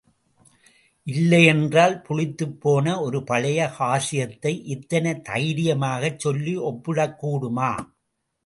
இல்லையென்றால் புளித்துப்போன ஒரு பழைய ஹாஸ்யத்தை இத்தனை தைரியமாகச் சொல்லி ஒப்பிடக்கூடுமா?